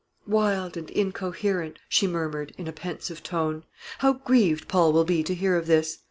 "Wild and incoherent!" she murmured, in a pensive tone. "How grieved Paul will be to hear of this!